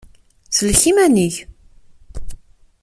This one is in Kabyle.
Sellek iman-ik!